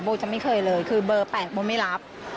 โบ๊คจะไม่เคยเลยคือเบอร์แปลกโบ๊คไม่รับ